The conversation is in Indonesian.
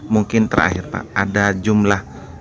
mungkin terakhir pak ada jumlah